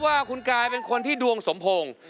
ว่าคุณกายเป็นคนที่ดวงสมพงษ์